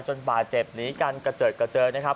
จนบาดเจ็บหนีกันเกรอะเจิดนะครับ